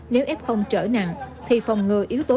nếu ép hông trở nặng thì phòng ngừa yếu tố